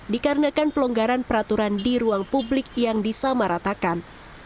dikarenakan pelonggaran peraturan di ruang publik yang disamaratakan